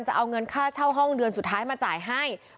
จะเอาเงินค่าเช่าห้องเดือนสุดท้ายมาจ่ายให้